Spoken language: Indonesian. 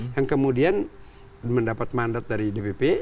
yang kemudian mendapat mandat dari dpp